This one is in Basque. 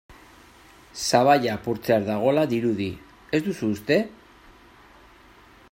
Sabaia apurtzear dagoela dirudi, ez duzu uste?